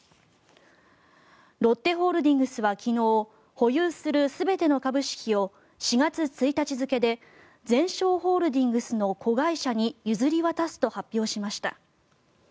ロッテホールディングスは昨日保有する全ての株式を４月１日付でゼンショーホールディングスの子会社に譲り渡すと発表しました。